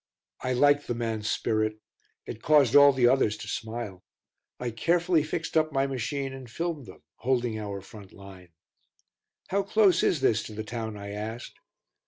I liked the man's spirit. It caused all the others to smile. I carefully fixed up my machine and filmed them, holding our front line. "How close is this to the town?" I asked.